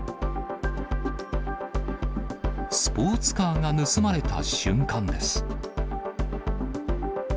スポーツカーが盗まれた瞬間です。